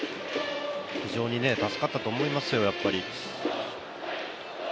非常に助かったと思いますよ、やっぱり。